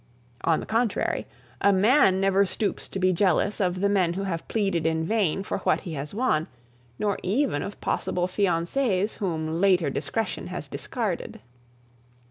On the contrary, a man never stoops to be jealous of the men who have pleaded in vain for what he has won, nor even of possible fiancés whom later discretion has discarded.